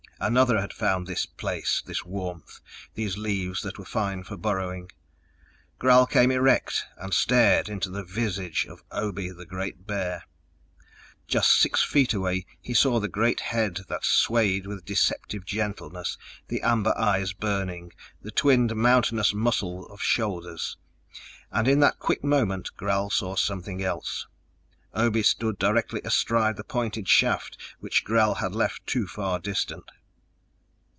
Another had found this Place, this warmth, these leaves that were fine for burrowing. Gral came erect and stared into the visage of Obe the Great Bear; just six feet away he saw the great head that swayed with deceptive gentleness, the amber eyes burning, the twinned mountainous muscle of shoulders ... and in that quick moment Gral saw something else. Obe stood directly astride the pointed shaft which Gral had left too far distant.